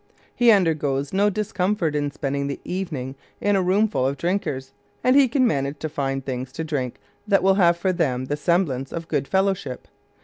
He undergoes no discomfort in spending the evening in a roomful of drinkers, and he can manage to find things to drink that will have for them the semblance of good fellowship.